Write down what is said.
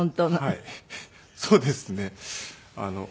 はいそうですね。